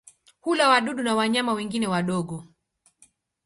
Hula wadudu na wanyama wengine wadogo.